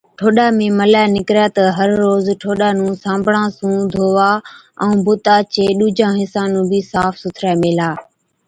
ٺوڏا ۾ ملَي نِڪرَي تہ هر روز ٺوڏا نُون صابڻا سُون ڌووا ائُون بُتا چي ڏُوجان حِصان نُون بِي صاف سُٿرَي ميلها۔